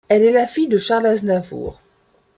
Elle est la fille de Charles Aznavour.